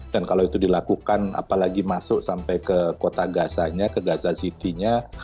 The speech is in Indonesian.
dan kalau itu dilakukan apalagi masuk sampai ke kota gazanya ke gaza city nya